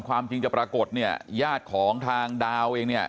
ความจริงจะปรากฏเนี่ยญาติของทางดาวเองเนี่ย